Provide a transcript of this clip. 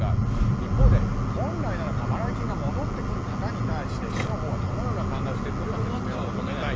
一方で、本来なら過払い金が戻ってくる方に対して市のほうはどのような考えをしているのか、説明を求めたい。